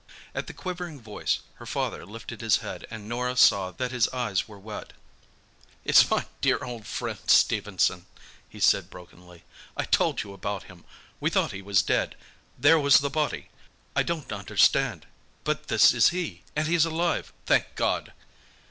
At the quivering voice her father lifted his head and Norah saw that his eyes were wet. "It's my dear old friend Stephenson," he said brokenly. "I told you about him. We thought he was dead—there was the body; I don't understand, but this is he, and he's alive, thank God!"